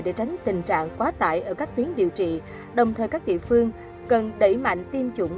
để tránh tình trạng quá tải ở các tuyến điều trị đồng thời các địa phương cần đẩy mạnh tiêm chủng